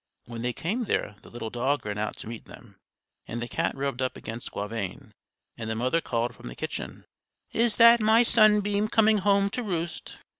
When they came there the little dog ran out to meet them, and the cat rubbed up against Gauvain, and the mother called from the kitchen: "Is that my sunbeam coming home to roost?"